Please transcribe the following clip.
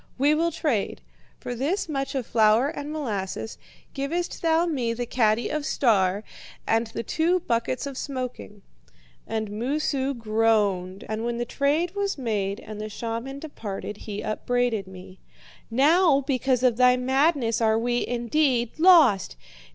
We will trade. For this much of flour and molasses givest thou me the caddy of "Star" and the two buckets of smoking.' "And Moosu groaned, and when the trade was made and the shaman departed, he upbraided me: 'Now, because of thy madness are we, indeed, lost!